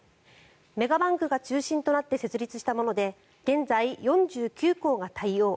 メガバンクが中心となって設立したもので現在、４９行が対応。